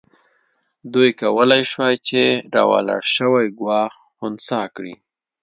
دوی کولای شوای چې راولاړ شوی ګواښ خنثی کړي.